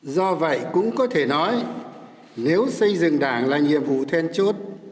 do vậy cũng có thể nói nếu xây dựng đảng là nhiệm vụ then chốt